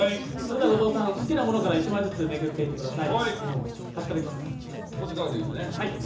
好きなものから１枚ずつめくっていってください。